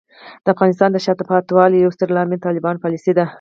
د افغانستان د شاته پاتې والي یو ستر عامل طالبانو پالیسۍ دي.